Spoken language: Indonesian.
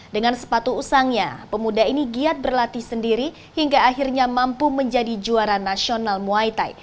dengan sepatu usangnya pemuda ini giat berlatih sendiri hingga akhirnya mampu menjadi juara nasional muay thai